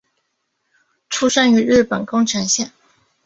出生于日本宫城县。